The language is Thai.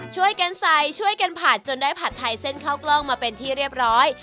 ช่วยกันใส่ช่วยกันผัดจนได้ผัดไทยเส้นข้าวกล้องมาเป็นที่เรียบร้อย